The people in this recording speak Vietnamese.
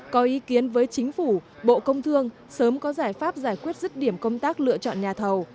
có ý kiến với chính phủ bộ công thương sớm có giải pháp giải quyết rứt điểm công tác lựa chọn nhà thầu